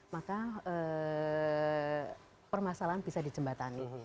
maka permasalahan bisa dijembatani